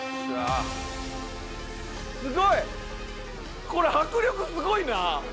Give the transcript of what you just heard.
すごい！これ迫力すごいな！